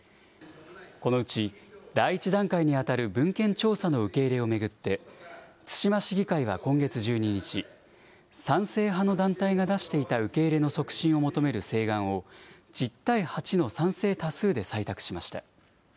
このうち、第１段階に当たる文献調査の受け入れを巡って、対馬市議会は今月１２日、賛成派の団体が出していた受け入れの促進を求める請願を、１０対８の賛成多数で採択しました。